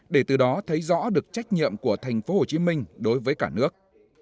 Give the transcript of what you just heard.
để từ đó thấy rõ được trách nhiệm của tp hcm đối với cả nước